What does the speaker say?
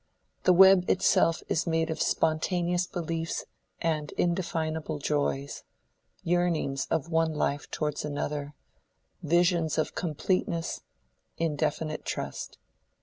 The web itself is made of spontaneous beliefs and indefinable joys, yearnings of one life towards another, visions of completeness, indefinite trust.